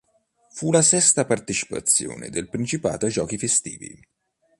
Fu la sesta partecipazione del Principato ai Giochi estivi.